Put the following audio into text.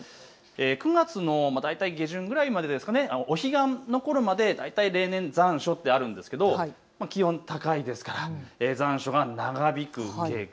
９月の大体下旬くらいまで、お彼岸のころまで大体、例年残暑とあるんですけど気温、高いですから残暑が長引く傾向。